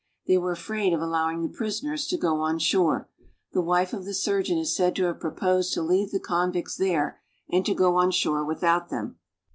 They were afraid of allowing the prisoners to go on shore. The wife of the surgeon is said to have proposed to leave the convicts there, and to go on shore without them.